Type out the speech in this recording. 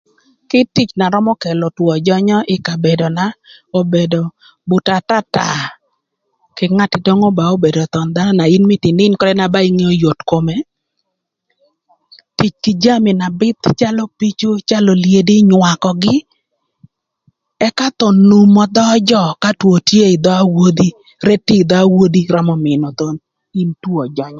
Kit tic na römö kelo two jönyö ï kabedona, obedo buto atata kï ngat na nwongo ba obedo thon dhanö na in mïtö ïnïn ködë na ba ingeo yot kome, tic kï jami na bïth calö picu, calö olyedi, nywakögï ëka thon umo dhö jö ka two tye ï dhö awodhi, ret tye ï dhö awodhi römö mïnö in thon two jönyö.